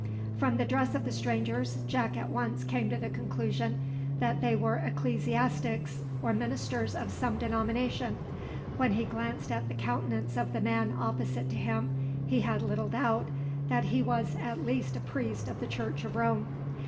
From the dress of the strangers, Jack at once came to the conclusion that they were ecclesiastics or ministers of some denomination. When he glanced at the countenance of the man opposite to him, he had little doubt that he at least was a priest of the Church of Rome.